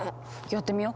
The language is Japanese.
やってみよ。